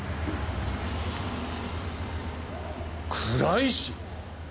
倉石！